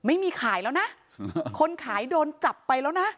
ไม่มีขายแล้วนะคนขายโดนจับไปแล้วนะ